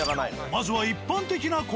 まずは。